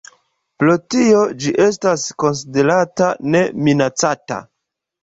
Pro tio ĝi estas konsiderata Ne Minacata.